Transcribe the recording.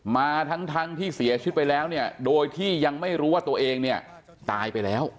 มาทั้งที่เสียชีวิตไปแล้วเนี่ยโดยที่ยังไม่รู้ว่าตัวเองเนี่ยตายไปแล้ว